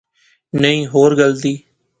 نئیں، ہور گل دی